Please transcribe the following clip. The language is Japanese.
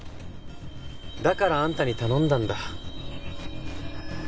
だからあんたに頼んだんだ。